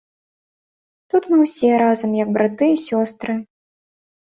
Тут мы ўсе разам як браты і сёстры.